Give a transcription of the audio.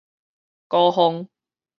鼓風